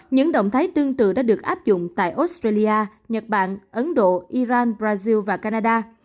những động thái tương tự đã được áp dụng tại australia nhật bản ấn độ iran brazil và canada